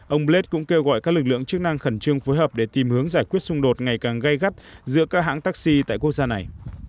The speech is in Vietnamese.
ông bled cũng kêu gọi các lực lượng chức năng khẩn trương phối hợp để tìm hướng giải quyết xung đột ngày càng gây gắt giữa các hãng taxi tại quốc gia này